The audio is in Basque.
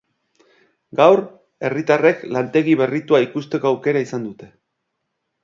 Gaur herritarrek lantegi berritua ikusteko aukera izan dute.